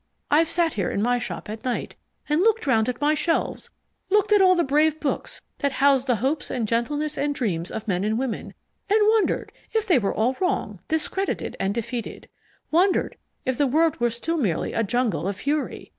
I've sat here in my shop at night, and looked round at my shelves, looked at all the brave books that house the hopes and gentlenesses and dreams of men and women, and wondered if they were all wrong, discredited, defeated. Wondered if the world were still merely a jungle of fury.